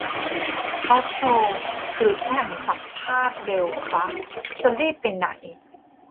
ทอล์กโชว์ หรือแข่งสัมภาษณ์เร็วฟะ ? จะรีบไปไหน